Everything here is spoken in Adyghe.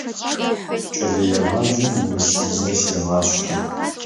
Кӏэлэегъаджэм урысыбзэр сегъашӏэ.